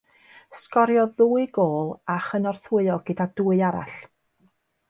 Sgoriodd ddwy gôl a chynorthwyo gyda dwy arall.